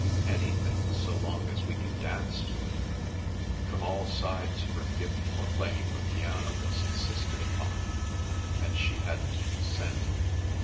Anything, so long as we can dance to it!" From all sides her gift for playing the piano was insisted upon, and she had to consent.